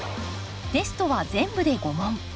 テストは全部で５問。